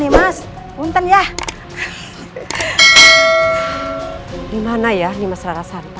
bagaimana puan rara santa